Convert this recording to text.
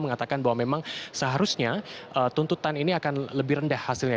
mengatakan bahwa memang seharusnya tuntutan ini akan lebih rendah hasilnya